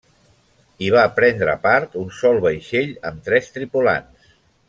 Hi va prendre part un sol vaixell amb tres tripulants.